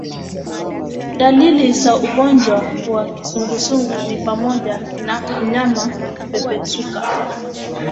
Dalili za ugonjwa wa kizunguzungu ni pamoja na mnyama kupepesuka